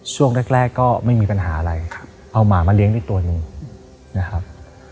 ช่วงแรกก็ไม่มีปัญหาอะไรเอาหมามาเลี้ยงได้ตัวหนึ่งนะครับ